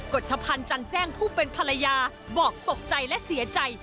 ฎชพันธ์จันแจ้งผู้เป็นภรรยาบอกตกใจและเสียใจ